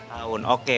lima tahun oke